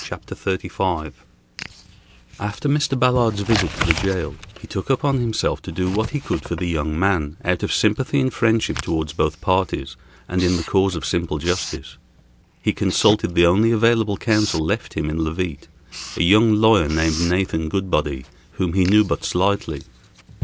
CHAPTER XXXV THE TRIAL After Mr. Ballard's visit to the jail, he took upon himself to do what he could for the young man, out of sympathy and friendship toward both parties, and in the cause of simple justice. He consulted the only available counsel left him in Leauvite, a young lawyer named Nathan Goodbody, whom he knew but slightly.